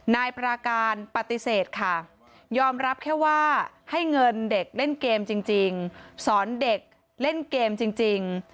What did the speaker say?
นายปราการปฏิเสธค่ะยอมรับแค่ว่าให้เงินเด็กเล่นเกมจริงสอนเด็กเล่นเกมจริง